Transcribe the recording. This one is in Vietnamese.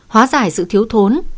hóa giải sự thiếu thốn